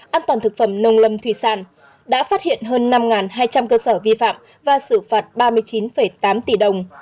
an toàn thực phẩm nông lâm thủy sản đã phát hiện hơn năm hai trăm linh cơ sở vi phạm và xử phạt ba mươi chín tám tỷ đồng